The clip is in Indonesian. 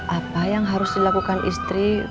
apa yang harus dilakukan istri